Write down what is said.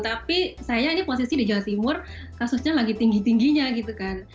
tapi saya ini posisi di jawa timur kasusnya lagi tinggi tingginya gitu kan